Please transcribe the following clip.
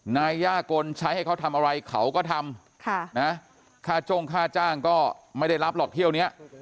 นายย่ากลใช้ให้เขาทำอะไรเขาก็ทำค่าจ้งค่าจ้างก็ไม่ได้รับหรอกเที่ยวนี้